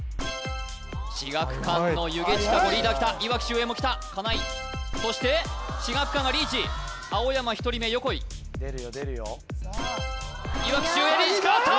志學館の弓削千賀子リーダーきたいわき秀英もきた金井そして志學館がリーチ青山１人目横井出るよ出るよいわき秀英リーチ変わった！